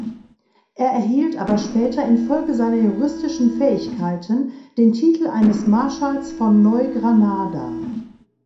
Er erhielt aber später infolge seiner juristischen Fähigkeiten den Titel eines Marschalls von Neugranada.